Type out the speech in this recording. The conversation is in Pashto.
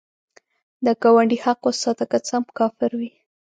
د ګاونډي حق وساته، که څه هم کافر وي